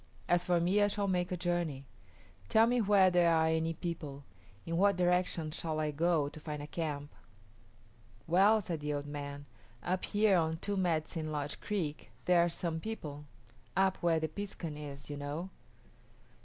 As for me, I shall make a journey. Tell me where there are any people. In what direction shall I go to find a camp?" "Well," said the old man, "up here on Two Medicine Lodge Creek there are some people up where the piskun is, you know."